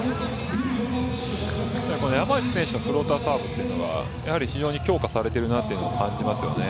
山内選手のフローターサーブというのが非常に強化されているなというのを感じますよね。